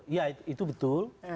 iya itu betul